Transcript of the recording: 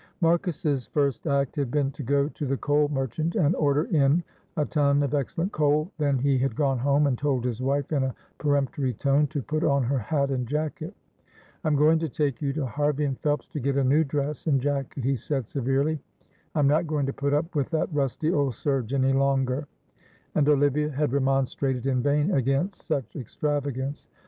Marcus's first act had been to go to the coal merchant and order in a ton of excellent coal, then he had gone home and told his wife in a peremptory tone to put on her hat and jacket. "I am going to take you to Harvey and Phelps to get a new dress and jacket," he said, severely. "I am not going to put up with that rusty old serge any longer," and Olivia had remonstrated in vain against such extravagance.